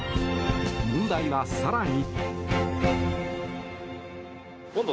問題は更に。